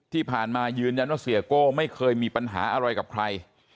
ที่ผ่านมายืนยันว่าเสียโก้ไม่เคยมีปัญหาอะไรกับใคร